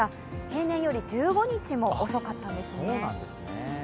平年より１５日も遅かったんですね。